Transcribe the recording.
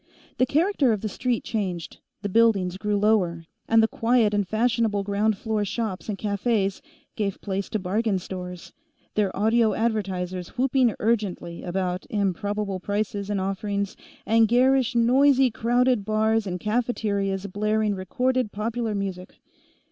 The character of the street changed; the buildings grew lower, and the quiet and fashionable ground floor shops and cafés gave place to bargain stores, their audio advertisers whooping urgently about improbable prices and offerings, and garish, noisy, crowded bars and cafeterias blaring recorded popular music.